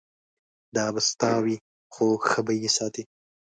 دا به ستا وي خو ښه به یې ساتې.